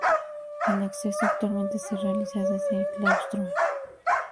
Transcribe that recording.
El acceso actualmente se realiza desde el claustro.